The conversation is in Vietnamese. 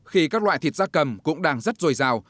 khi các loại thịt da cầm cũng đang rất dồi dào